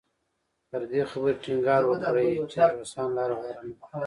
پر دې خبرې ټینګار وکړي چې د روسانو لاره غوره نه کړو.